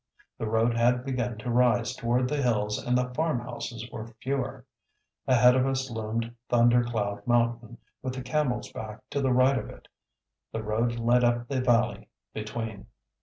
The road had begun to rise toward the hills and the farmhouses were fewer. Ahead of us loomed Thunder Cloud Mountain, with the Camel's Back to the right of it. The road led up the valley between.